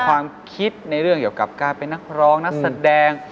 ความคิดในเรื่องเกี่ยวกับการเป็นนักร้องนักแสดง